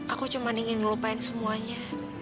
aku cuma ingin melupain semuanya